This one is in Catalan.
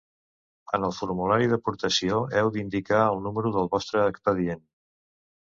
En el formulari d'aportació, heu d'indicar el número del vostre expedient.